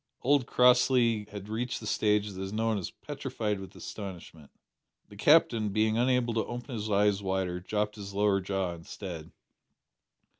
Old Crossley had reached the stage that is known as petrified with astonishment. The Captain, being unable to open his eyes wider, dropped his lower jaw instead.